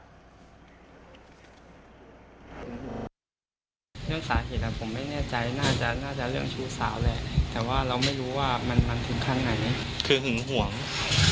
เรื่องสาธิตละผมไม่แน่ใจน่าจะเรืองชู้สาวแหละ